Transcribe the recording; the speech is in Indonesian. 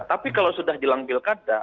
tapi kalau sudah jelang pilkada